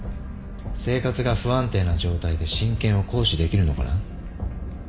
生活が不安定な状態で親権を行使できるのかな。